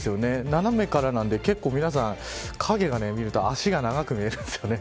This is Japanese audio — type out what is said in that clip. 斜めからなんで結構、皆さん影が見ると、足が長く見えるんですよね